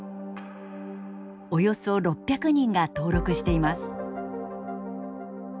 およそ６００人が登録しています。